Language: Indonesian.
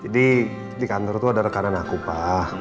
di kantor tuh ada rekanan aku pak